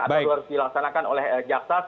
atau harus dilaksanakan oleh jaksa